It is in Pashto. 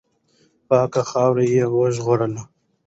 پاکه خاوره یې وژغورله.